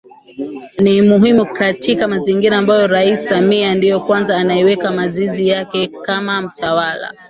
ni muhimu katika mazingira ambayo Rais Samia ndiyo kwanza anaweka mizizi yake kama mtawala